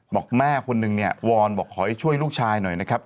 บอกแม่คนนึงเนี่ยวอนบอกขอให้ช่วยลูกชายหน่อยนะครับ